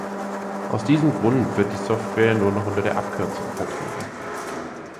Aus diesem Grund wird die Software nur noch unter der Abkürzung vertrieben.